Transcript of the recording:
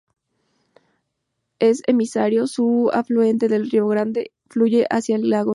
Su emisario, un afluente del río Grande, fluye hacia el lago Lácar.